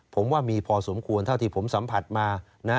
ผมว่ามีพอสมควรเท่าที่ผมสัมผัสมานะ